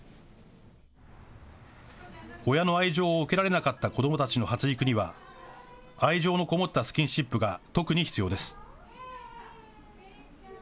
親の愛情を受けられなかった子どもたちの発育には愛情のこもったスキンシップが特に必要です。